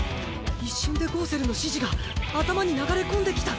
一瞬でゴウセルの指示が頭に流れ込んできた。